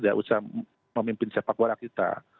tidak usah memimpin sepak bola kita